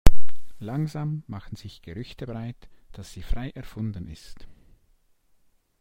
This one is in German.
Langsam machen sich Gerüchte breit, dass sie frei erfunden ist.